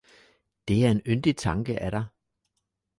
Det er en yndig tanke af dig